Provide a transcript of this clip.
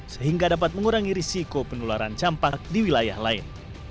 sehingga dapat mengurangi risiko penularan campak di wilayah lain